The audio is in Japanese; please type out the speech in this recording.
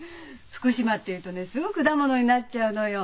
福島っていうとねすぐ果物になっちゃうのよ。